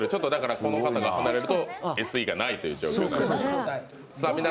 この方が離れるとＳＥがないという状態に。